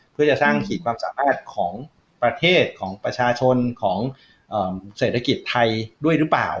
เพื่อจะสร้างขีดความสามารถของประเทศของประชาชนของเศรษฐกิจไทยด้วยหรือเปล่า